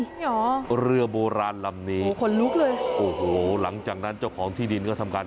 เหรอเรือโบราณลำนี้ขนลุกเลยโอ้โหหลังจากนั้นเจ้าของที่ดินก็ทำการ